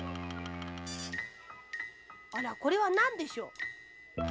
あらこれはなんでしょう？